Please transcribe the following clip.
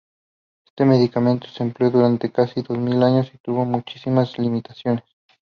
Éste medicamento se empleó durante casi dos mil años y tuvo muchas imitaciones.